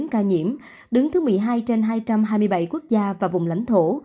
chín chín trăm hai mươi chín ca nhiễm đứng thứ một mươi hai trên hai trăm hai mươi bảy quốc gia và vùng lãnh thổ